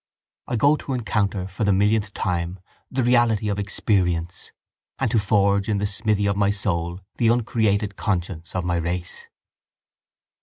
I go to encounter for the millionth time the reality of experience and to forge in the smithy of my soul the uncreated conscience of my race.